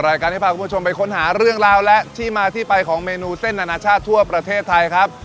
รายการที่พาคุณผู้ชมไปค้นหาเรื่องราวและที่มาที่ไปของเมนูเส้นอนาชาติทั่วประเทศไทยครับ